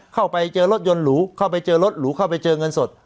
เข้าไปเจอรถยนต์หรูเข้าไปเจอรถหรูเข้าไปเจอเงินสด